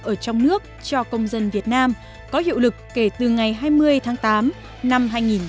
ở trong nước cho công dân việt nam có hiệu lực kể từ ngày hai mươi tháng tám năm hai nghìn một mươi chín